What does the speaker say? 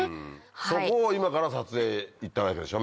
そこを今から撮影行ったわけでしょ？